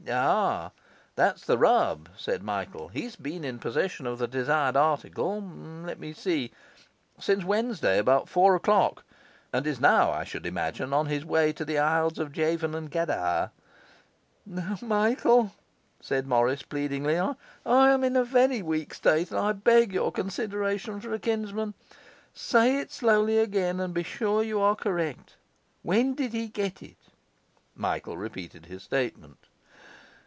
'Ah, that's the rub,' said Michael. 'He's been in possession of the desired article, let me see since Wednesday, about four o'clock, and is now, I should imagine, on his way to the isles of Javan and Gadire.' 'Michael,' said Morris pleadingly, 'I am in a very weak state, and I beg your consideration for a kinsman. Say it slowly again, and be sure you are correct. When did he get it?' Michael repeated his statement.